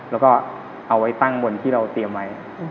แล้วก็เอาไว้ตั้งบนที่เราเตรียมไว้